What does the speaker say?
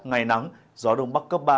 ngày nắng gió đông bắc cấp ba